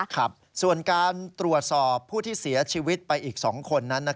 ครับส่วนการตรวจสอบผู้ที่เสียชีวิตไปอีก๒คนนั้น